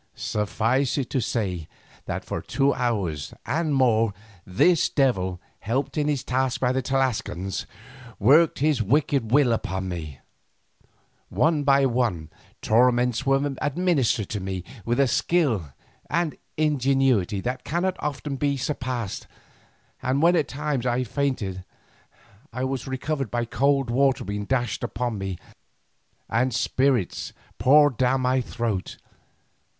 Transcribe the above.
Suffice it to say that for two hours and more this devil, helped in his task by the Tlascalans, worked his wicked will upon me. One by one torments were administered to me with a skill and ingenuity that cannot often have been surpassed, and when at times I fainted I was recovered by cold water being dashed upon me and spirits poured down my throat.